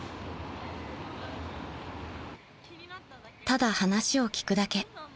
［ただ話を聞くだけ］